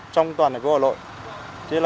trong toàn hệ của hà nội